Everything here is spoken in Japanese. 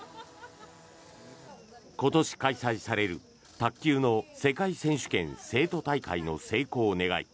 今年開催される、卓球の世界選手権成都大会の成功を願い